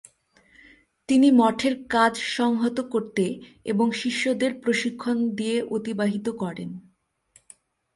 তিনি মঠের কাজ সংহত করতে এবং শিষ্যদের প্রশিক্ষণ দিয়ে অতিবাহিত করেন।